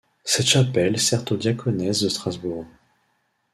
Cette chapelle sert aux Diaconesses de Strasbourg.